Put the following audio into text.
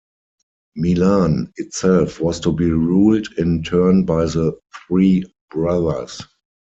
Milan itself was to be ruled in turn by the three brothers.